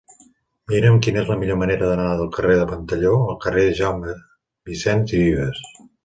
Mira'm quina és la millor manera d'anar del carrer de Ventalló al carrer de Jaume Vicens i Vives.